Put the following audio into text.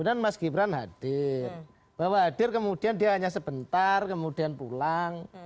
kemudian mas gibran hadir bahwa hadir kemudian dia hanya sebentar kemudian pulang